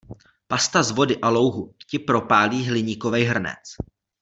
Pasta z vody a louhu ti propálí hliníkovej hrnec.